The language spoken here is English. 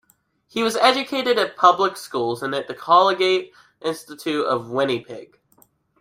He was educated at public schools, and at the Collegiate Institute of Winnipeg.